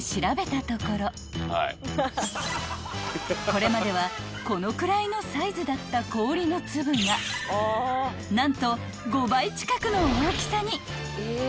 ［これまではこのくらいのサイズだった氷の粒が何と５倍近くの大きさに！］